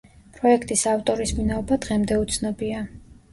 პროექტის ავტორის ვინაობა დღემდე უცნობია.